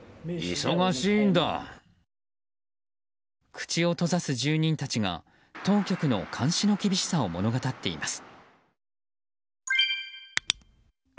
口を閉ざす住人たちが当局の監視の厳しさを物語っています。